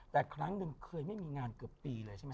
แต่ครั้งหนึ่งเคยไม่มีงานเกือบปีเลยใช่ไหม